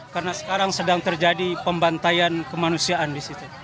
karena sekarang sedang terjadi pembantaian kemanusiaan di situ